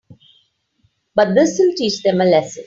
But this'll teach them a lesson.